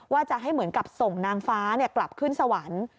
ว่าจะให้เหมือนกับส่งนางฟ้ากลับขึ้นสวรรค์